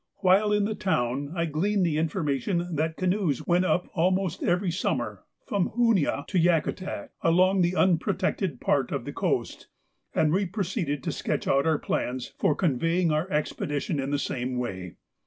While in the town I gleaned the information that canoes went up almost every summer from Hooniah to Yakutat along the unprotected part of the coast, and we proceeded to sketch out plans for conveying our expedition in the same way.